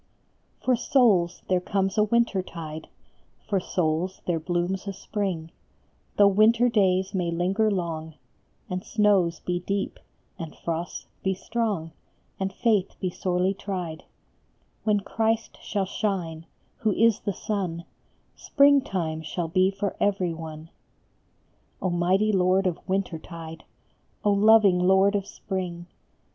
2$6 EASTER. For souls there comes a winter tide, For souls there blooms a spring ; Though winter days may linger long, And snows be deep and frosts be strong, And faith be sorely tried, When Christ shall shine, who is the Sun, Spring time shall be for every one. Oh, mighty Lord of winter tide ! Oh, loving Lord of spring